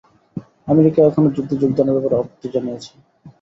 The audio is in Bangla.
আমেরিকা এখনও যুদ্ধে যোগদানের ব্যাপারে আপত্তি জানিয়েছে।